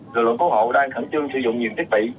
lực lượng cứu hộ đang khẩn trương sử dụng nhiều thiết bị